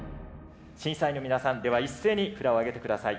審査員の皆さんでは一斉に札を上げてください。